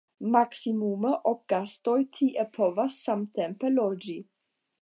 Maksimume ok gastoj tie povas samtempe loĝi.